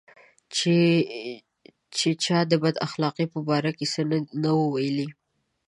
چې چا د بد اخلاقۍ په باره کې څه نه وو ویلي.